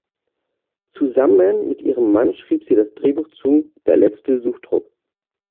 Zusammen mit ihrem Mann schrieb sie das Drehbuch zu "Der letzte Suchtrupp".